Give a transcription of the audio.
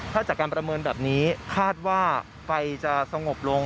ถ้าจากการประเมินแบบนี้คาดว่าไฟจะสงบลง